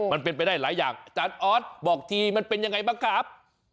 มันเป็นไปได้หลายอย่างอาจารย์ออสบอกทีมันเป็นยังไงบ้างครับ